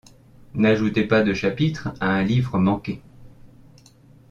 N’ajoutez pas de chapitres à un livre manqué.